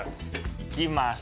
いきます。